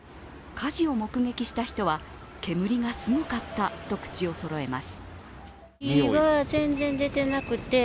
火事を目撃した人は煙がすごかったと口をそろえます。